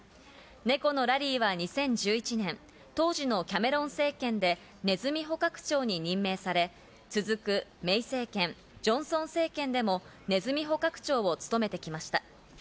ネコのラリーは２０１１年、当時のキャメロン政権でネズミ捕獲長に任命され、続くメイ政権、ジョンソン政権でもネズミ捕獲長を務めてきました。